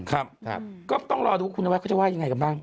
ครับก็ต้องรอดูว่าคุณนวัดเขาจะว่ายังไงกันบ้าง